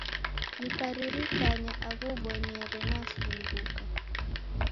Nikaririkanya agho ubonyere nasumbuka.